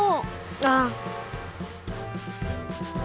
ああ。